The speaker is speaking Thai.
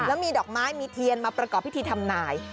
แล้วมีดอกไม้มีเทียนมาประกอบพิธีทำนาย